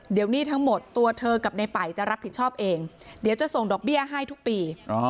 เดี๋ยวหนี้ทั้งหมดตัวเธอกับในป่ายจะรับผิดชอบเองเดี๋ยวจะส่งดอกเบี้ยให้ทุกปี